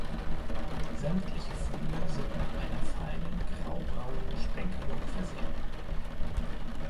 Sämtliche Flügel sind mit einer feinen graubraunen Sprenkelung versehen.